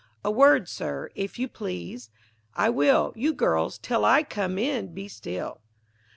A word, Sir, if you please." I will You girls, till I come in be still.